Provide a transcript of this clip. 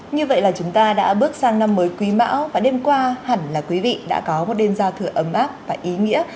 như vậy là chúng ta đã bước sang năm mới quý mão và đêm qua hẳn là quý vị đã có một đêm giao thừa ấm áp và ý nghĩa